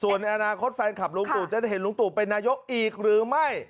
ส่วนในอนาคตแฟนคลับลุงตู่จะได้เห็นลุงตู่เป็นนายกอีกหรือไม่